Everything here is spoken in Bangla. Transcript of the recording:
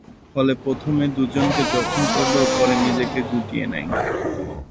ফলে, প্রথমে দু’জনকে জখম করলেও পরে নিজেকে গুটিয়ে নেয়।